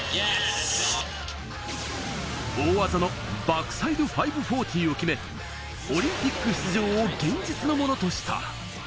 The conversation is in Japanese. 大技のバックサイド５４０を決め、オリンピック出場を現実のものとした。